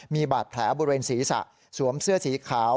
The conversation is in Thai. มีบาดแผลบริเวณศีรษะสวมเสื้อสีขาว